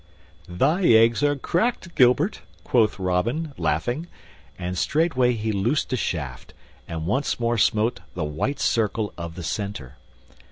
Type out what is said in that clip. "Thy eggs are cracked, Gilbert," quoth Robin, laughing; and straightway he loosed a shaft, and once more smote the white circle of the center.